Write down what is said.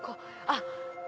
あっ！